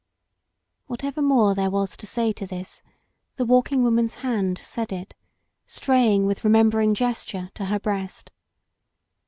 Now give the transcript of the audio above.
Whatever more there was to say to this, the Walking Woman's hand said it, straying with remembering gesture to her breast.